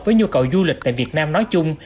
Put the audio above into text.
với nhu cầu du lịch tại việt nam nói chung